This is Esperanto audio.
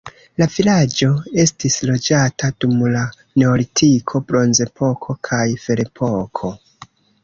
La vilaĝo estis loĝata dum la neolitiko, bronzepoko kaj ferepoko.